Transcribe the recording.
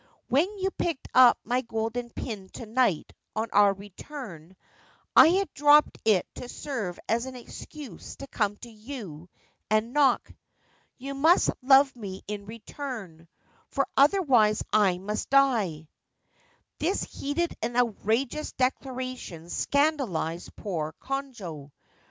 When you picked up my golden pin to night on our return, I had dropped it to serve as an excuse to come to you and knock. You must love me in return ; for otherwise I must die !' This heated and outrageous declaration scandalised poor Konojo.